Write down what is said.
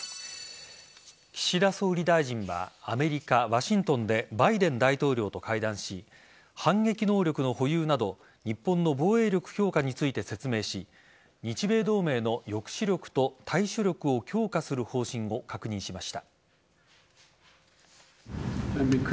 岸田総理大臣はアメリカ・ワシントンでバイデン大統領と会談し反撃能力の保有など日本の防衛力強化について説明し日米同盟の抑止力と対処力を強化する方針を確認しました。